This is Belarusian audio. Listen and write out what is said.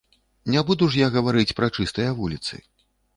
Не буду ж я гаварыць пра чыстыя вуліцы.